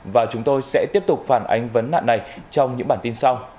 và chúng tôi sẽ tiếp tục phản ánh vấn nạn này trong những bản tin sau